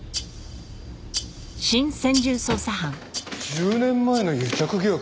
１０年前の癒着疑惑？